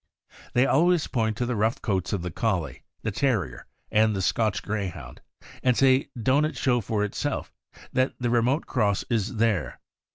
They always point to the rough coats of the Collie; the Terrier, and the Scotch Greyhound, and say, '' Don' t it show for itself that the remote cross is there."